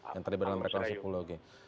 yang tadi berada di amerika serayu